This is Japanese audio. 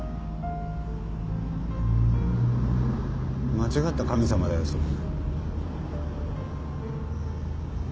間違った神様だよそれ。